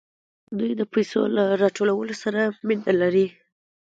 دوی د پیسو له راټولولو سره ډېره مینه لري